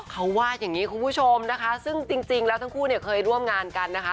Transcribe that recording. เขาว่าอย่างนี้คุณผู้ชมนะคะซึ่งจริงแล้วทั้งคู่เนี่ยเคยร่วมงานกันนะคะ